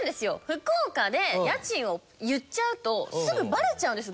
福岡で家賃を言っちゃうとすぐバレちゃうんです